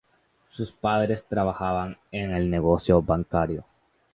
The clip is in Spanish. Sus padres trabajan en el negocio bancario.